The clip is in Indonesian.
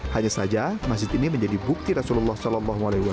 hanya saja masjid ini menjadi bukti rasulullah saw